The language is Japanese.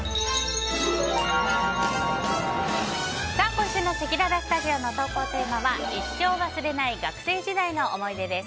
今週のせきららスタジオの投稿テーマは一生忘れない学生時代の思い出です。